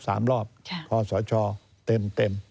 ครบ๓รอบคอสชเต็ม